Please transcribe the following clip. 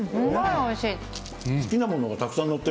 おいしい。